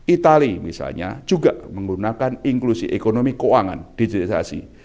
itali misalnya juga menggunakan inklusi ekonomi keuangan digitalisasi